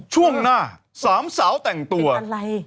ช่วงหน้าสามสาวแต่งตัวติดกันเลย